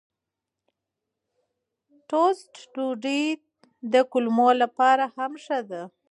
ټوسټ ډوډۍ د کولمو لپاره هم ښه ده.